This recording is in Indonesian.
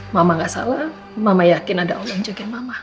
mama gak salah mama yakin ada allah yang joger mama